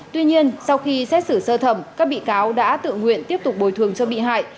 tuy nhiên sau khi xét xử sơ thẩm các bị cáo đã tự nguyện tiếp tục bồi thường cho bị hại